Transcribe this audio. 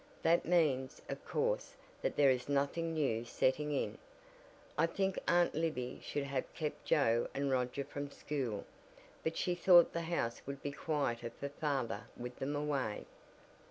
That means, of course, that there is nothing new setting in. I think Aunt Libby should have kept Joe and Roger from school, but she thought the house would be quieter for father with them away.